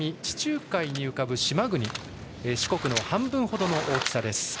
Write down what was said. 地中海に浮かぶ島国四国の半分ほどの大きさ。